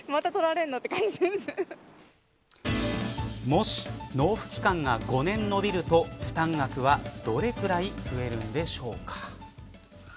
もし納付期間が５年延びると負担額はどれくらい増えるんでしょうか。